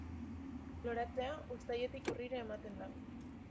Loratzea uztailetik urrira ematen da.